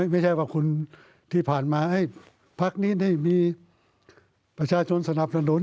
ไม่ใช่ว่าคุณที่ผ่านมาพักนี้ได้มีประชาชนสนับสนุน